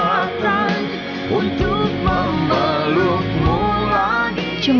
aku bisa berdoa sama dia